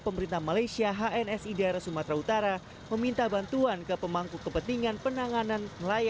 pemerintah malaysia hnsi daerah sumatera utara meminta bantuan ke pemangku kepentingan penanganan